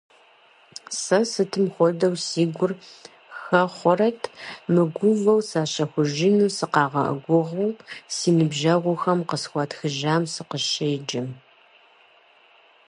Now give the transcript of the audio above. Сэ сытым хуэдэу си гур хэхъуэрэт мыгувэу сащэхужыну сыкъагъэгугъэу си ныбжьэгъухэм къысхуатхыжам сыкъыщеджэм!